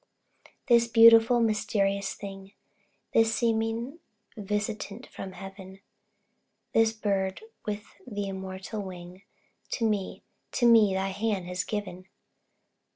This beautiful, mysterious thing, This seeming visitant from heaven, This bird with the immortal wing, To me to me, thy hand has given.